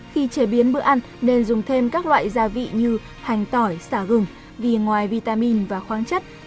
khi chế biến bữa ăn nên dùng thêm các loại gia vị như hành tỏi xả gừng vì ngoài vitamin và khoáng chất